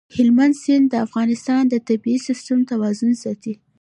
هلمند سیند د افغانستان د طبعي سیسټم توازن ساتي.